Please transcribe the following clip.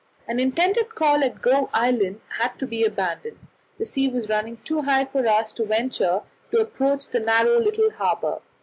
An intended call at Gough Island had to be abandoned; the sea was running too high for us to venture to approach the narrow little harbour.